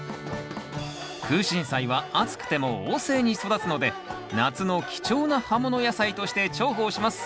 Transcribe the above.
クウシンサイは暑くても旺盛に育つので夏の貴重な葉物野菜として重宝します。